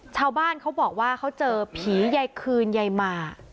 ชาวบ้านเขาบอกว่าเขาเจอผีใยคืนยายมา